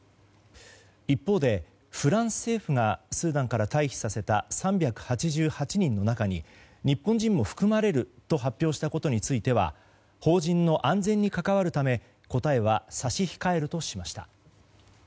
一方でフランス政府がスーダンから退避させた３８８人の中に日本人も含まれると発表したことについては邦人の安全に関わるため答えは差し控えるとしました。